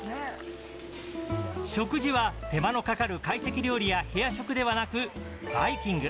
食事は手間のかかる懐石料理や部屋食ではなくバイキング。